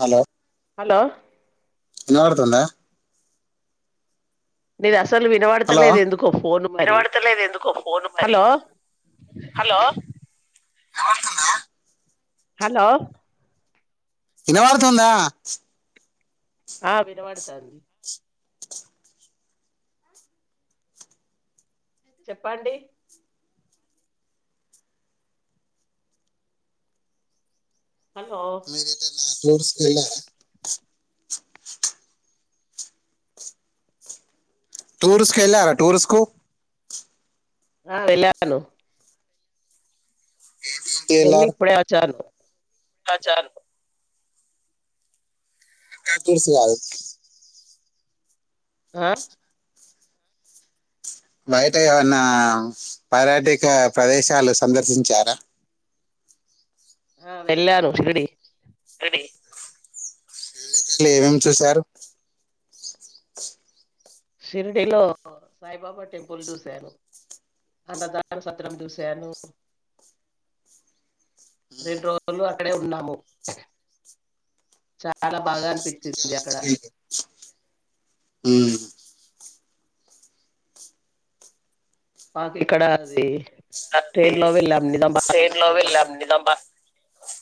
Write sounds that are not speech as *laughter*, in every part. Hello hello ఇనవడుతుందా నిదస్ అసలు హలో వినబడతలేదు ఎందుకో ఫోన్ మరి వినబడతలేదు ఎందుకో ఫోన్ మరి హలో వినవడుతుందా హలో ఇనవడుతుందా ఆ వినవాడుతాంది చెప్పండి హలో టూర్సికి వెళ్ళారా *inaudible* టూర్స్ కెళ్ళార టూర్స్ కు వెల్లాను వెళ్లి ఇప్పుడే వచ్చాము అ చాలు అక్క తూర్స్ కాదు ఆ బయట ఏమన్నా పర్యాటిక ప్రదేశాలు సందర్శించారా ఆ వేల్లారు శిరిడీ శిరిడీ శిరిడీ లో ఏమేం చూశారు షిరిడిలో సాయిబాబా టెంపుల్ చూశాను అన్నదాన సత్రం చూశారు రెండు రోజులు అక్కడే ఉన్నాము చాలా బాగా అనిపించింది అక్కడ హుమ్ మాకు ఇక్కడ ఉంది *unintelligible* ట్రైన్ లో వెళ్ళాము నిజామాబాద్ నుంచి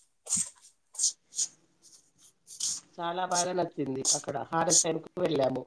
*inaudible* చాలా బాగా నచ్చింది అక్కడ హారతి టైమ్కు వెళ్ళాము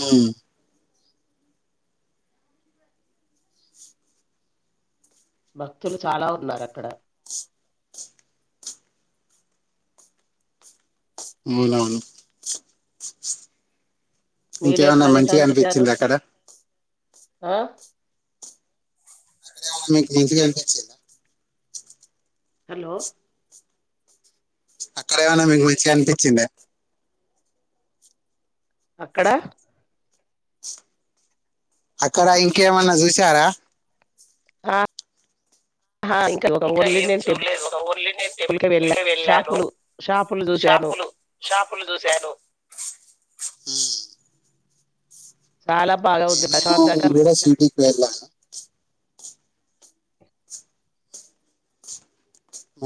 హుమ్ భక్తులు చాలా ఉన్నారు అక్కడ *unintelligible* మీరే ఇంకేమన్నా మంచిగా ప్రదేశాన్ని చూశారు అనిపించిందా అక్కడ ఆ *unintelligible* మీకి మంచిగా అనిపించిందా హలో అక్కడ ఏమన్నా మీకు మంచిగా అనిపించిందా అక్కడ అక్కడ ఇంకేమన్నా చూసారా ఆహా ఒక ఇంకా ఓన్లీ ఏం నేను టెంపుల్ చూడలేదు ఒక ఓన్లీ నేను కి వెళ్ళా టెంపుల్క వెళ్ళాను షాపులు షాపులు చూశాను షాపులు షాపులు చూశాను హ చాలా బాగా ఉంది నేను ప్రశాంతంగా కూడా మంచిగా సిటీకి అనిపించింది వెళ్ళాను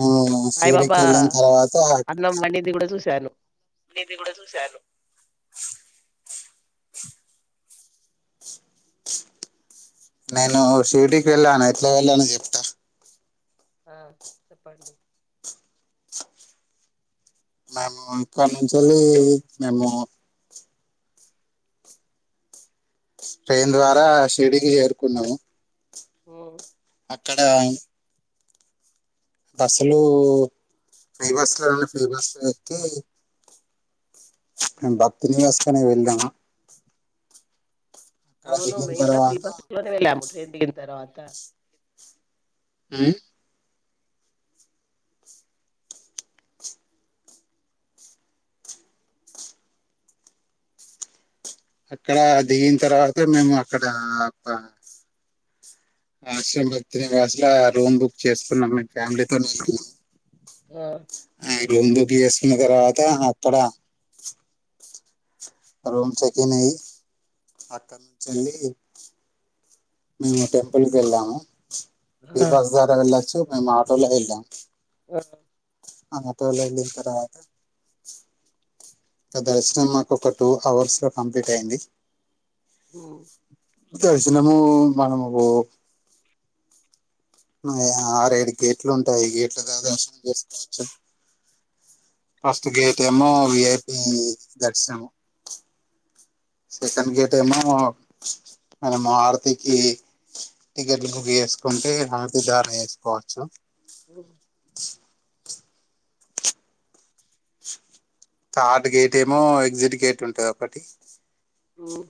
ఉమ్ సీడకి సాయిబాబా వెళ్ళిన తర్వాత అ చాను మీది కూడా చూసారు నేను షిడికి వెళ్ళాను ఎట్లా వెళ్ళాను చెప్తా ఆ చెప్పండి మేము ఇక్కడి నుంచిళ్ి మేము ట్రైన్ ద్వారా షిర్డికి చేరుకున్నాము ఉమ్, అక్కడ అది అసలు ఫేమస్గాండి ఫేమస్ వ్యక్తి బతుని క్సుకనే వెళ్ అవును దిగిన మేం కూడా ప్రీ తర్వాత బస్ లోనే వెళ్లా రెంల తర్వాత ఆ అక్కడ దిగిన తర్వాత మేము అక్కడ ఆశ్రమ భి నివాసుల రూమ్ బుక్ చేసుకున్నాంే ఫ్యామిలీతోే ఆ బందు బఎస్ినగరతప్పడ రూమ్స్కిన్ అయి అకడ్నుంచి వెళ్ళి ఇంకా టెంపుల్ కి వెళ్ళాము ఇ ఆ బస్ ధారా వెళ్ళచు మేము ఆటో లో వెళ్ళాం ఆ అ *unintelligible* ఇంక దర్శనం మాకు ఒక టూ అవర్స్ లో కంప్లీట్ అయింది ఆ దర్శనము మనము *unintelligible* ఆరేడు గేట్లు ఉంటాయి గేట్లు ద ద చేసుకోవచ్చ ఫస్ట్ గేట్ ఏమో విఐపి దర్శనము సెకండ్ గేట్ ఏమో మనము ఆరతికి టికెట్లు బుక్ చేసుకుంటే ఆరతి ధారనా చేసుకోవచ్చు ఉమ్ థర్డ్ గేట్ ఏమో ఎగ్జిట్ గేట్ ఉంటుంది ఒకటి ఉమ్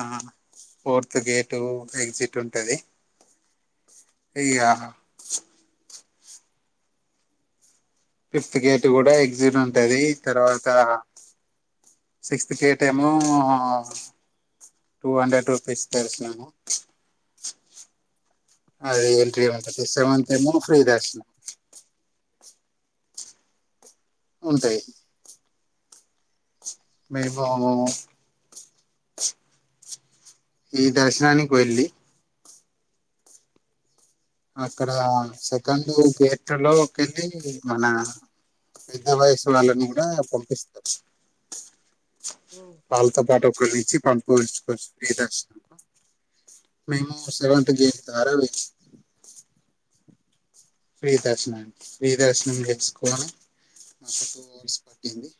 ఆ ఫోర్త్ గేటు ఎగ్జిట్ ఉంటది ఇగా ఫిఫ్త్ గేట్ కూడా ఎగ్జిట్ ఉంటుంది తర్వాత సిక్స్త్ గేట్ ఏమో టూ హండ్రెడ్ రూపీస్ దర్శనాము అది ఎంట్రీ ఉంటుంది సెవెంతత్ ఏమో ఫ్రీ దర్శనాము ఉంటాయి మేము ఈ దర్శనానికి వెళ్ళి అక్కడ సెకండ్ గేట్ లోకి వెళ్ళి మన పెద్ద వయసు వాళ్ళని కూడా పంపిస్తారు ఉమ్. వాళ్ళతో పాటు *unintelligible* పం పోల్చుకోల్ ఫ్రీ దర్శనము మేము సెవెంత్ గేట్ ద్వారా వెళ్ళినామ్ ఫ్రీ దర్శనం ఫ్రీ దర్శనం చేసుుకోని మాకు టూ అవర్స్ పట్టింది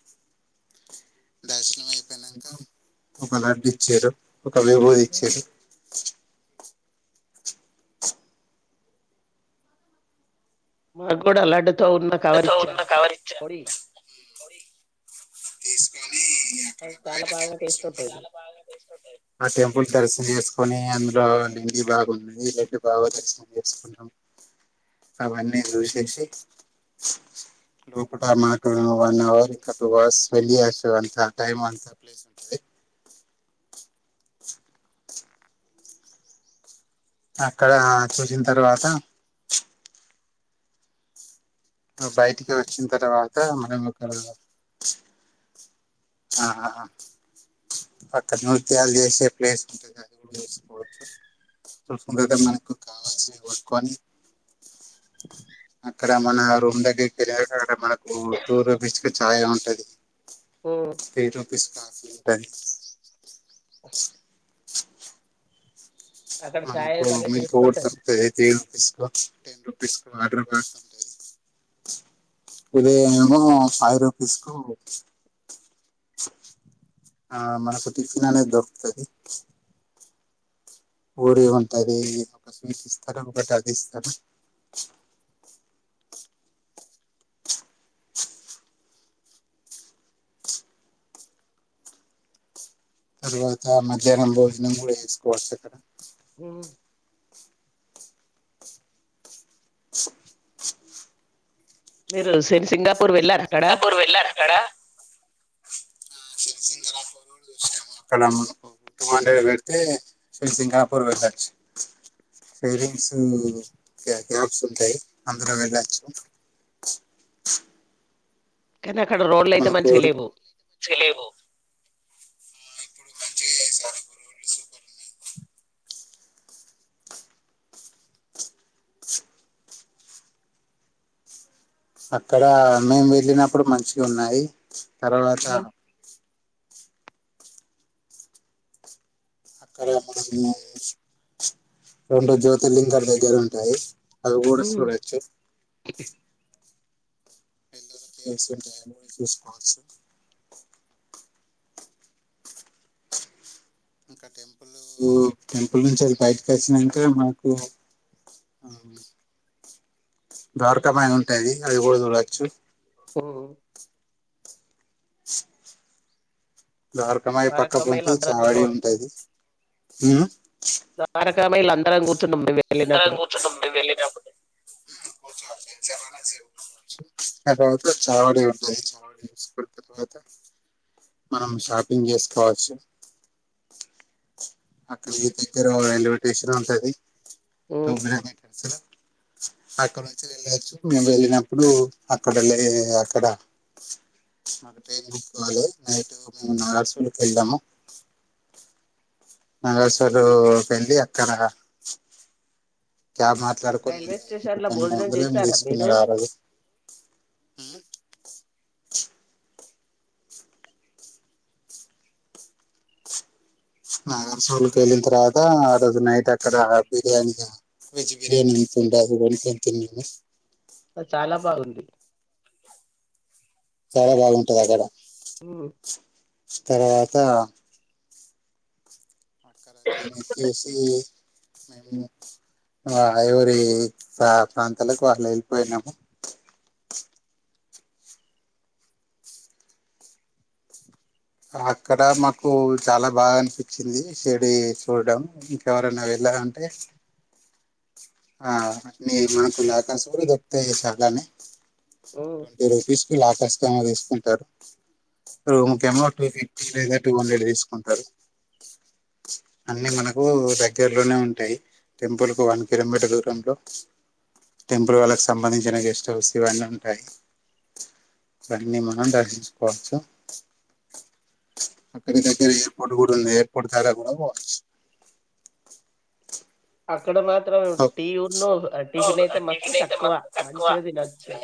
దర్శనం అయిపోయినాక ఒక లడ్డు ఇచిరు ఒక వివో ఇచ్చేసి మాకు కూడా లడ్డు ఉన్నా కవర్ తో ఉన్న ఇచ్చర్ కవర్ ఇచ్చా తీస్ కో బాగా టేస్ట్ ఉంటది ఆ టెంపుల్ దర్శనం కొని అందులో లింగి బాగ్ ఉంది లండి బాగా దర్శనం చేసుకున్నాం అవన్నీ చూసేసి లోపట మాట్డం వన్ అవర్ ఇంకా టూ అవర్స్ *unintelligible* అంత టైమ్ అంత ప్లేస్ ఉంటుంది అక్కడ చూసిన తర్వాత బయటికి వచ్చిన తర్వాత మనం ఒక ఆ అక్కడ నృత్యాలు చేసే ప్లేస్ ఉంటంది అది కూడా చేసుకోవచ్చు చూసుకుంటు మనకు కావాల్సి కొట్కని అక్కడ మన రూమ్ దగ్గరికి వెళ్ళ అక్కడ మన ఓ తూర బిచ్ కి చాయ్ *unintelligible* *unintelligible* అది ఓ త్రీ రూపీస్ పాసింగ్ *unintelligible* అక్కడ చాయ్ మనకు భలే మిల్క్ టేస్ట్ కూడా ఉంటది దొరుకుతాది త్రీ రూపీస్ కు టెన్ రూపీస్ కు వాటర్ బాటిల్ ఉంటది ఇదే ఏమో ఫైవ్ రూపీస్ కు ఆ మన కొతికిిననే దరతది ఊడి ఉంటది ఇ ఒక స్వీట్ ఇస్తారు ఒక బ ఇస్తారు తర్వాత మధ్యాహ్నం భోజనం కూడా వేసుకోవచ్చు అక్కడ హ్మ్. మీరు సన్ సింగిల్ సింగపూర్ వెళ్లారా అక్కడ సింగపూర్ చూ అక్కడ గు మాంట పెడితే ర్సిరాపూర్ వెళ్ళొచ్చు ేలింగ్స్ గ్యాప్స్ ఉంటాయి అందులో వెళ్ళచ్చు కానీ అక్కడ రోడ్ల అయితే మనకు మనిషకి లేవు తెలివు *inaudible* సక్కగా మేము వెళ్ళినప్పుడు మంచిగా ఉన్నాయి తరువాత అక్కడ మనము రెండు జ్యోతిర్లింగం దగ్గర ఉంటాయి అది కూడా సూడచ్చు *inaudible* ఇంకా టెంపుల్ టెంపుల్ నుంచి అది బయటకి వచ్చినాక మాకు ద్వారక పైన ఉంటాది అవి కూడా చూడచ్చు ద్వరకమాయి ద్వారకామాయిలు పక్కపోతే అందరం చాడ కూర్చోవచ్చు ఉంటది ద్వారకామాయిలు అందరం కూర్చున్నాం మేము వెళ్ళినప్పుడు *unintelligible* మనం షాపింగ్ చేసుకోవచ్చు అక్కడి దగ్గర రైల్వే స్టేషన్ ఉంటది హ్మ్. *unintelligible* అక్కడ నుంచిి వెళ్ళొచ్చు మేము వెళ్ళినప్పుడు అక్కడ లే అక్కడ మాకు టైన్కోవాలి నైట్ మ నాలుసకి వెళ్దాము నాగేశ్వరు పెళ్ళి అక్కడ క్యాబ్ మాట్లాడుకొని రైల్వే స్టేషన్ లో పన్నెండు భోజనం వందలేరు చేశారా తీసుకుని మీరు ఆరోజు నా సోలు క వెలింతర్ అద అడ నైట్ అక్క బిర్యానీి వెజ్ బిర్యానీి అంతతుం అది ఉంంత నేను అ చాలా బాగుంది చాలా బాగుంటది అక్కడ హ్మ్. తర్వాత తర్వాత ఎనక్కేసి మేము మా ఐవురి ప్ర ప్రాంతాలకు వాళ్ళు వెళ్ళిపోయినాము అక్కడ మాకు చాలా బాగా అనిపించింది చెడీ చూడడం ఇంకెవరైనా వెళ్ళాలంటే అన్ని మనకు లేక చూరు దొకుతా చలనే హ్మ్. టోన్ టి రుపీస్ ఆకాష్ంగా తీసుకుంటారు ఇ ఇకేమో టూ ఫిఫ్టీ లేదా టూ హండ్రెడ్ తీసుకుంటారు అన్నీ మనకు రెగ్యుర్లోనే ఉంటాయి టెంపుల్కు వన్ కిలోమీటర్ దూరంలో టెంపుల్ వాళ్ళకు సంబంధించిన గెస్ట్ హౌస్ ఇవన్నీ ఉంటాయి అవన్నీ మనం దర్శించుకోవచ్చు అక్కడి దగ్గర ఎయిర్పోర్ట్ కూడా ఉంది ఎయిర్పోర్ట్ ద్వారా కూడా పోవచ్చు అహ ఇక్కడ మాత్రం టీ ఉన్న టిఫిన్ అయితే మస్తు టిఫిన్ అయితే తక్కువ మస్తు తక్కువ మంచిగా తినొచ్చు